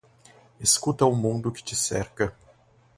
escuta o mundo que te cerca